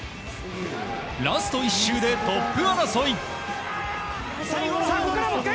ラスト１周でトップ争い。